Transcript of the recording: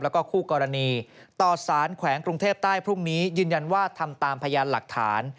แล้วก็คู่กรณีต่อสารแขวงกรุงเทพใต้พรุ่งนี้ยืนยันว่าทำตามพยานหลักฐาน